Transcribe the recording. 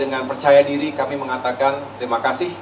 dengan percaya diri kami mengatakan terima kasih